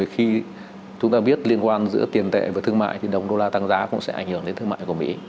khi chúng ta biết liên quan giữa tiền tệ và thương mại thì đồng đô la tăng giá cũng sẽ ảnh hưởng đến thương mại của mỹ